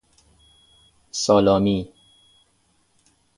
سالامی